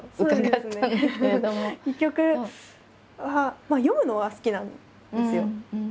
戯曲は読むのは好きなんですよ。